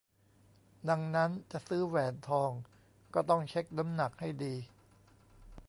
ดังนั้นจะซื้อแหวนทองก็ต้องเช็กน้ำหนักให้ดี